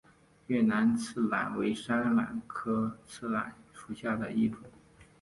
越南刺榄为山榄科刺榄属下的一个种。